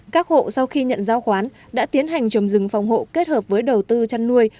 các hộ sau khi nhận giao khoán đã tiến hành trồng rừng phòng hộ kết hợp với đầu tư chăn nuôi